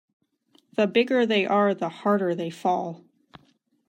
The bigger they are the harder they fall.